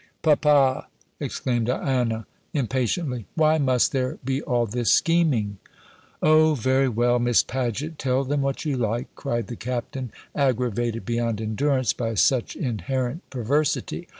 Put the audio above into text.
"Papa!" exclaimed Diana, impatiently, "why must there be all this scheming?" "O, very well, Miss Paget; tell them what you like!" cried the Captain, aggravated beyond endurance by such inherent perversity.